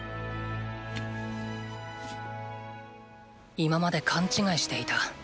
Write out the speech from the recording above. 今まで勘違いしていた。